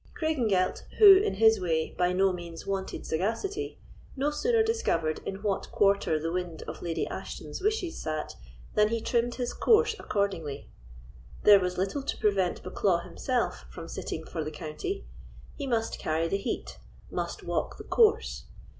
Craigengelt, who, in his way, by no means wanted sagacity, no sooner discovered in what quarter the wind of Lady Ashton's wishes sate, than he trimmed his course accordingly. "There was little to prevent Bucklaw himself from sitting for the county; he must carry the heat—must walk the course.